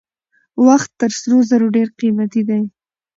وخت تر سرو زرو ډېر قیمتي دی.